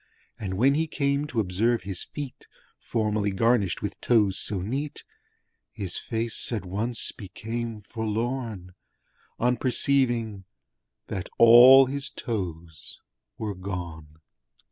And when he came to observe his feet Formerly garnished with toes so neat His face at once became forlorn On perceiving that all his toes were gone!